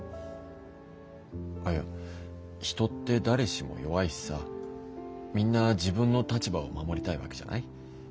あいや人って誰しも弱いしさみんな自分の立場を守りたいわけじゃない？